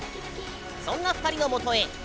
そんな２人のもとへあ